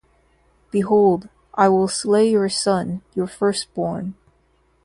Behold, I will slay your son, your first-born.